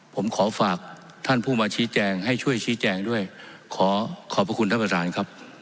ผมขอฝากท่านผู้มาชี้แจงให้ช่วยชี้แจงด้วยขอขอบพระคุณท่านประธานครับ